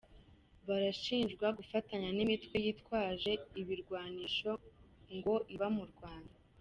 Barashinjwa gufatanya n’imitwe yitwaje ibirwanisho ngo iba mu Rwanda.